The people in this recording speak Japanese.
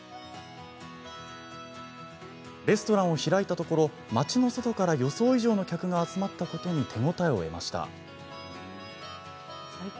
レストランを開いたところ町の外から予想以上の客が集まったことに手応えを得ました。